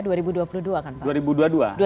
dua ribu dua puluh dua kan pak